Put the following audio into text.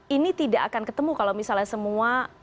ini tidak akan ketemu kalau misalnya semua